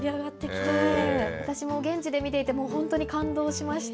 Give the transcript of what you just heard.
私も現地で見ていて、もう本当に感動しました。